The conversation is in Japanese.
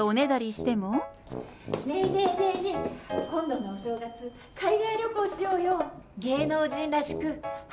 ねえ、ねえ、ねえ、今度のお正月、海外旅行しようよ。